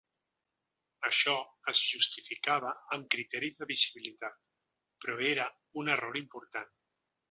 Això es justificava amb criteris de visibilitat, però era un error important.